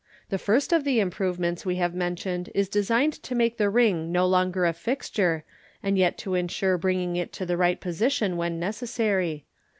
The first of the improvements we have mentioned is designed to make the ring no longer a fixture, and yet to insure bringing it into the right position when necessary.